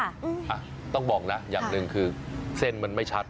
อ่ะต้องบอกนะอย่างหนึ่งคือเส้นมันไม่ชัด